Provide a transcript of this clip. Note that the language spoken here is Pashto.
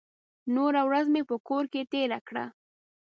نوره ورځ مې په کور کې تېره کړه.